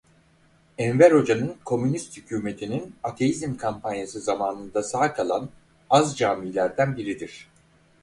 Enver Hoca'nın komünist hükûmetinin Ateizm kampanyası zamanında sağ kalan az camilerden biridir.